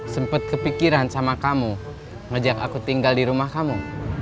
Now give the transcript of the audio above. sempat kepikiran sama kamu ngajak aku tinggal di rumah kamu